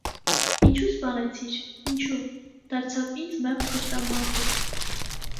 - Ինչո՞ւ սպանեցիր, ինչո՞ւ,- դարձավ ինձ մեղմ կշտամբանքով: